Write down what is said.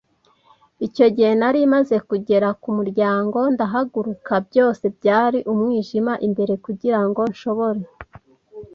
Icyo gihe nari maze kugera ku muryango ndahaguruka. Byose byari umwijima imbere, kugirango nshobore